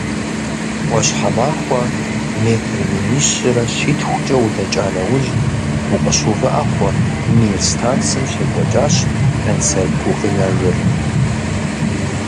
Ӏуащхьэмахуэ метр минищрэ щитхукӏэ удэкӀа нэужь, укъыщыувыӀэ хъу, «Мир» станцым щекӀуэкӀащ концерт гукъинэжыр.